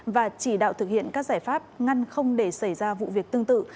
và chỉ đạo thực hiện các giải pháp ngăn không để xảy ra vụ việc tương tự